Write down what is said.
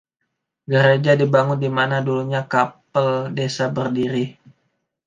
Gereja dibangun di mana dulunya kapel desa berdiri.